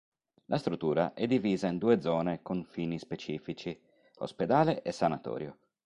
La struttura è divisa in due zone con fini specifici: ospedale e sanatorio.